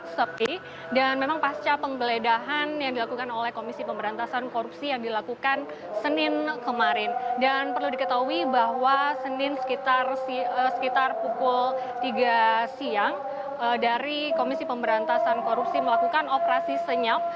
sejak siang dari komisi pemberantasan korupsi melakukan operasi senyap